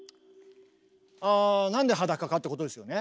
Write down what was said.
あなんで裸かってことですよね？